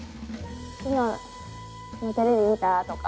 「昨日テレビ見た？」とか。